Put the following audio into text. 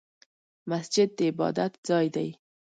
مسجد د عبادت ځای دی